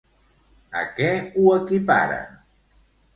A què ho equipara?